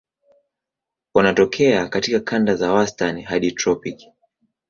Wanatokea katika kanda za wastani hadi tropiki.